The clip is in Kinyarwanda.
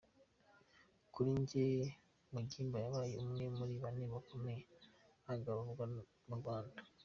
Kuri jye, Mugimba yabaye umwe muri bane bakomeye ugaruwe mu Rwanda.